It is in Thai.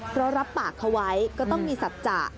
เพราะรับปากเขาไว้ก็ต้องมีสัจจะ